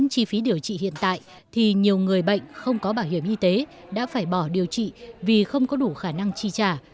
thì nhiều người bệnh không có bảo hiểm y tế đã phải bỏ điều trị vì không có đủ khả năng chi trả